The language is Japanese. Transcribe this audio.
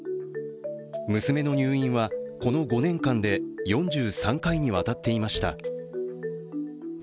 娘の入院は、この５年間で４３回にわたっていました。